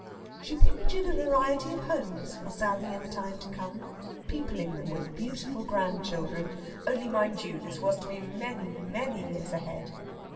She pictured a variety of homes for Sally in the time to come, peopling them with beautiful grandchildren only, mind you, this was to be many, many years ahead!